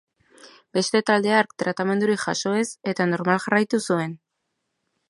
Beste talde hark tratamendurik jaso ez, eta normal jarraitu zuen.